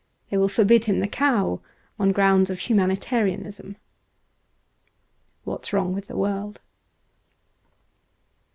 They will forbid him the cow on grounds of humani tarianism. * What's Wrong with the World.'